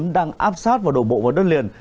đang áp sát vào độ bộ và đất liền